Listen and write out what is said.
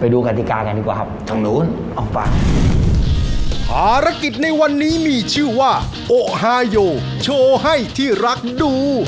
ภารกิจในวันนี้ภารกิจในวันนี้มีชื่อว่าโอฮาโยโชว์ให้ที่รักดู